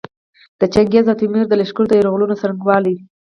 د چنګیز او تیمور د لښکرو د یرغلونو څرنګوالي.